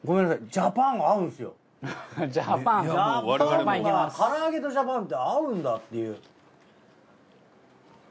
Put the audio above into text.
ジャパンが唐揚げとジャパンって合うんだっていう。